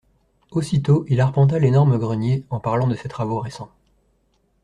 Aussitôt il arpenta l'énorme grenier en parlant de ses travaux récents.